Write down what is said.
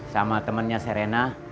sama temennya serena